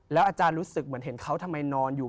อาจารย์รู้สึกเหมือนเห็นเขาทำไมนอนอยู่